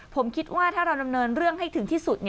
ผมคิดว่าถ้าเราดำเนินเรื่องให้ถึงที่สุด